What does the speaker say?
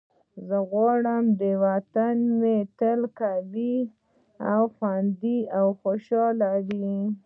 زه غواړم وطن مې تل قوي، خوندي او خوشحال وي.